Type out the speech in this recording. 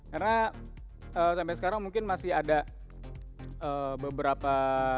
karena sampai sekarang mungkin masih ada beberapa